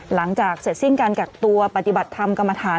หลังจากเสร็จสิ้นการกักตัวปฏิบัติธรรมกรรมฐาน